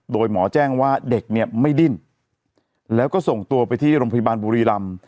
โดยหมอแจ้งว่าเด็กเนี่ยไม่ดิ้นแล้วก็ส่งตัวไปที่โรงพยาบาลบุรีรำ